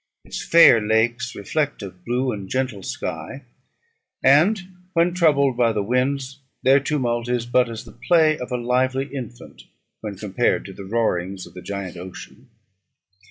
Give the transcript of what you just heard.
Its fair lakes reflect a blue and gentle sky; and, when troubled by the winds, their tumult is but as the play of a lively infant, when compared to the roarings of the giant ocean.